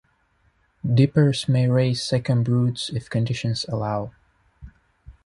Dippers may raise second broods if conditions allow.